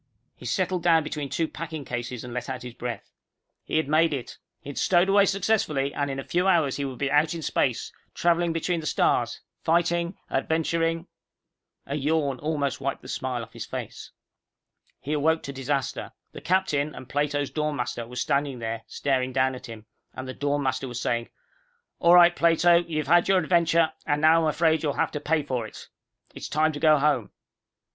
He settled down between two packing cases and let out his breath. He had made it. He had stowed away successfully, and in a few hours he would be out in space, traveling between the stars, fighting, adventuring A yawn almost wiped the smile off his face. He awoke to disaster. The captain and Plato's dorm master were standing there, staring down at him, and the dorm master was saying, "All right, Plato, you've had your adventure, and now I'm afraid you'll have to pay for it. It's time to go home."